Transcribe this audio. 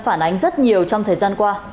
phản ánh rất nhiều trong thời gian qua